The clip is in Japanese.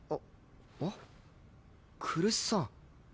来栖さん。